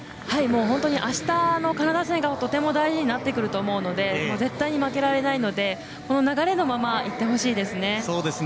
本当にあしたのカナダ戦がとても大事になってくると思うので絶対に負けられないのでこの流れのままいってほしいですね。